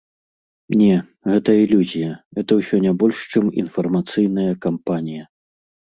Не, гэта ілюзія, гэта ўсё не больш чым інфармацыйная кампанія.